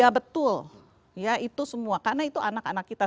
ya betul ya itu semua karena itu anak anak kita